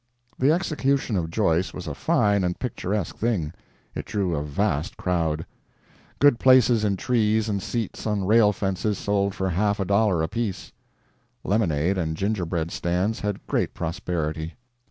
The execution of Joyce was a fine and picturesque thing. It drew a vast crowd. Good places in trees and seats on rail fences sold for half a dollar apiece; lemonade and gingerbread stands had great prosperity.